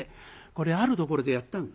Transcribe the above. これあるところでやったの。